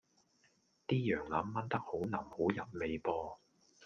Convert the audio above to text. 啲羊腩炆得好腍好入味噃